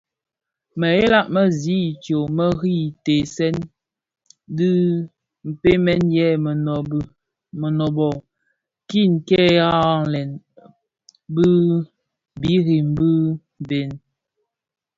Meghela mě zi idyom meri teesèn dhikpegmen yè menőbökin kè ghaghalen birimbi bhëñ,